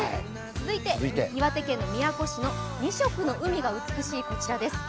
続いて岩手県の宮古市の２色の海が美しいこちらです。